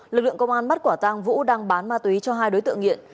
lực lượng công an bắt quả tang vũ đang bán ma túy cho hai đối tượng nghiện